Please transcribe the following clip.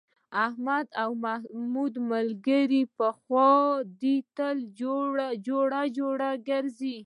د احمد او محمود ملگري ډېره پخه ده، تل جوړه جوړه گرځي.